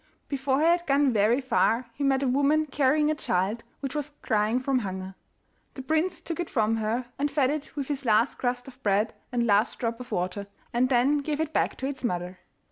Before he had gone very far he met a woman carrying a child, which was crying from hunger. The prince took it from her, and fed it with his last crust of bread and last drop of water, and then gave it back to its mother.